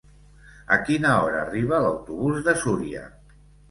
A quina hora arriba l'autobús de Súria?